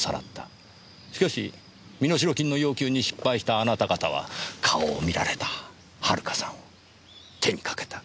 しかし身代金の要求に失敗したあなた方は顔を見られた遥さんを手にかけた。